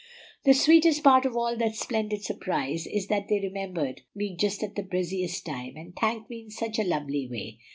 "The sweetest part of all the splendid surprise is that they remembered me just at the busiest time, and thanked me in such a lovely way.